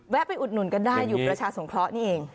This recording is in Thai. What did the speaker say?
แวะไปอุดหนุนกันได้อยู่ประชาสงคร้อนี่เอง